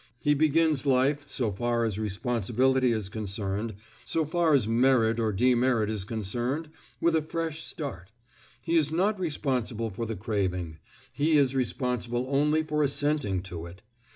He begins life, so far as responsibility is concerned, so far as merit or demerit is concerned, with a fresh start. He is not responsible for the craving; he is responsible only for assenting to it.